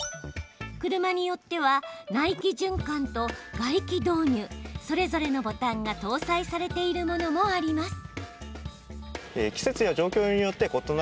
車によっては内気循環と外気導入それぞれのボタンが搭載されているものもあります。